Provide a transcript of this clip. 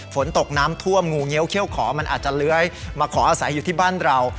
ฝนตกน้ำท่วมงูเงี้ยเขี้ยวขอมันอาจจะเลื้อยมาขออาศัยอยู่ที่บ้านเรา